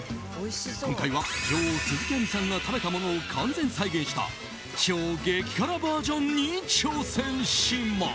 今回は女王・鈴木亜美さんが食べたものを完全再現した超激辛バージョンに挑戦します。